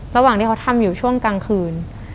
ระหว่างที่เขาทำอยู่ช่วงกลางคืน